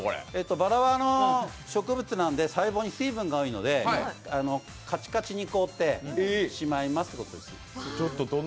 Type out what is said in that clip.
ばらは植物なんで細胞に水分が多いのでカチカチに凍ってしまいますということです。